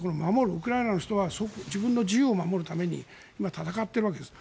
ウクライナの人は自分の自由を守るために今、戦っているわけです。